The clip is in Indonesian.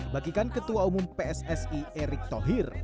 bagikan ketua umum pssi erick thohir